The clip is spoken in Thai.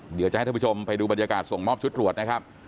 เดี๋ยวจะให้ท่านผู้ชมไปดูบรรยากาศส่งมอบชุดตรวจนะครับ